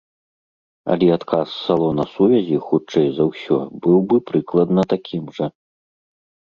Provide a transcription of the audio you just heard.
Але адказ салона сувязі, хутчэй за ўсё, быў бы прыкладна такім жа.